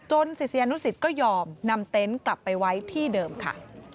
ศิษยานุสิตก็ยอมนำเต็นต์กลับไปไว้ที่เดิมค่ะ